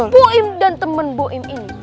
buim dan temen buim ini